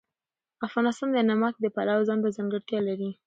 افغانستان د نمک د پلوه ځانته ځانګړتیا لري.